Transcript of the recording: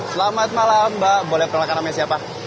selamat malam mbak boleh kenalkan namanya siapa